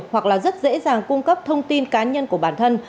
hoặc là rất dễ dàng cung cấp thông tin cá nhân của bản thân